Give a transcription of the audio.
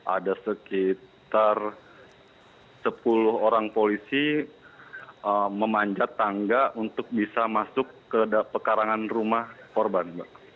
ada sekitar sepuluh orang polisi memanjat tangga untuk bisa masuk ke pekarangan rumah korban